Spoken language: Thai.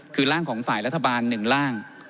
คือร่างของฝ่ายรัฐบาล๑ร่าง